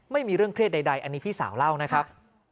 ไม่มีเรื่องเครียดใดอันนี้พี่สาวเล่านะครับ